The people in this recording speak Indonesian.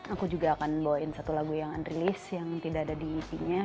aku juga akan bawain satu lagu yang unrilis yang tidak ada di ip nya